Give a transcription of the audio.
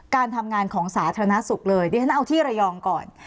การทำงานของสาธารณสุขเลยเดี๋ยวฉันเอาที่ระยองก่อน